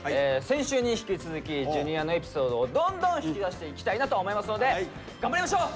先週に引き続きＪｒ．のエピソードをどんどん引き出していきたいなと思いますので頑張りましょう！